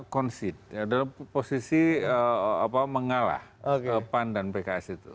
konsit dalam posisi mengalah pan dan pks itu